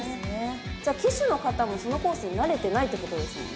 じゃあ騎手の方もそのコースに慣れてないってことですよね？